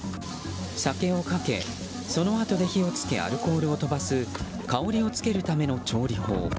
酒をかけ、そのあとで火を付けアルコールを飛ばす香りをつけるための調理法。